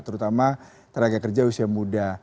terutama tenaga kerja usia muda